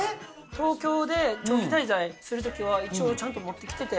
東京で長期滞在するときは一応ちゃんと持ってきてて。